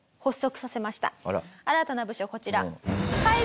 新たな部署こちら。